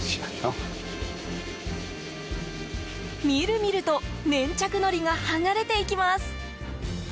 みるみると粘着のりが剥がれていきます。